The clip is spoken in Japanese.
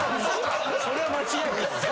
それは間違いです。